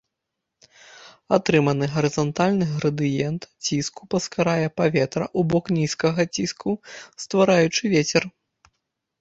Атрыманы гарызантальны градыент ціску паскарае паветра ў бок нізкага ціску, ствараючы вецер.